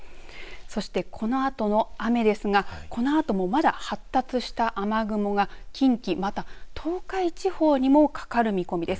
そして、このあとの雨ですがこのあともまだ発達した雨雲が近畿また東海地方にもかかる見込みです。